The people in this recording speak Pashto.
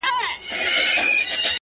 څوک وایي گران دی ـ څوک وای آسان دی ـ